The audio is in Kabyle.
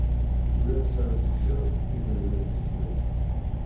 Ulansi ara tekkeḍ, iberdan gezmen.